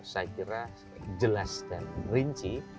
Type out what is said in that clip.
saya kira jelas dan rinci